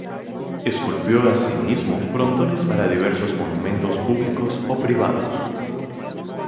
Esculpió así mismo frontones para diversos monumentos públicos o privados.